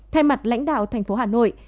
thay mặt lãnh đạo thành phố hà nội